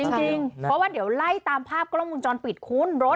จริงเพราะว่าเดี๋ยวไล่ตามภาพกล้องมุมจรปิดคุณรถ